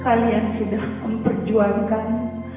kalian sudah memperjuangkan